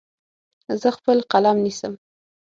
زه خپل قلم نیسم.